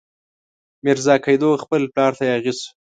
میرزا قیدو خپل پلار ته یاغي شو.